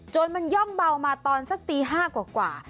จนมันย่องเบามาตอนสักตี๕กว่า